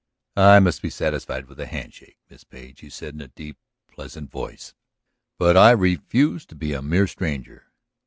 "I must be satisfied with a hand shake, Miss Page," he said in a deep, pleasant voice, "but I refuse to be a mere stranger.